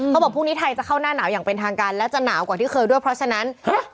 เขาบอกพรุ่งนี้ไทยจะเข้าหน้าหนาวอย่างเป็นทางการและจะหนาวกว่าที่เคยด้วยเพราะฉะนั้นฮะ